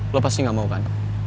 lo pasti gak mau kan